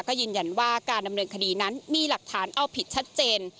ก็ยืนยันว่าการดำเนินคดีนั้นมีหลักฐานเอาผิดชัดเจน